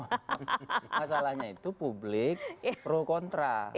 masalahnya itu publik pro kontra